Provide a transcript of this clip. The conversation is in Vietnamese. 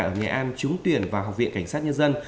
ở nghệ an trúng tuyển vào học viện cảnh sát nhân dân